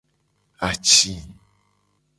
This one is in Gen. Aci.